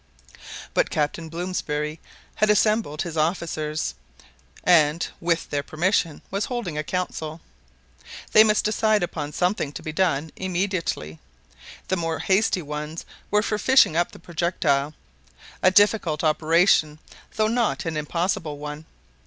But Captain Blomsberry had assembled his officers, and "with their permission," was holding a council. They must decide upon something to be done immediately. The more hasty ones were for fishing up the projectile. A difficult operation, though not an impossible one.